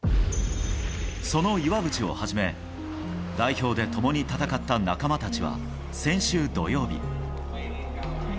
その岩渕をはじめ代表で共に戦った仲間たちは先週土曜日。